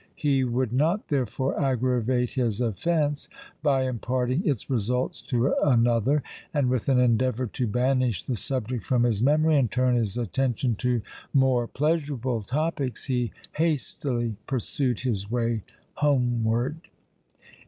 He would not therefore aggravate his offence by imparting its results to another; and, with an endeavour to banish the subject from his memory and turn his attention to more pleasurable topics, he hastily pursued his way homeward.